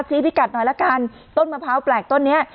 พิกัดหน่อยละกันต้นมะพร้าวแปลกต้นนี้